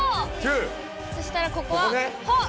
そしたらここはハッ！